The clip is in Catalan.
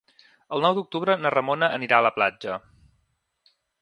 El nou d'octubre na Ramona anirà a la platja.